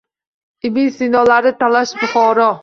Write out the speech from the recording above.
Ibn Sinolari talosh Buxoro